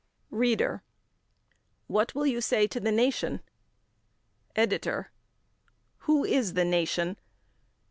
READER: What will you say to the nation? EDITOR: Who is the nation?